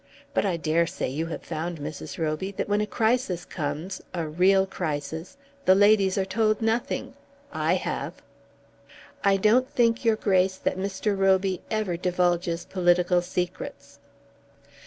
But I dare say you have found, Mrs. Roby, that when a crisis comes, a real crisis, the ladies are told nothing. I have." "I don't think, your Grace, that Mr. Roby ever divulges political secrets."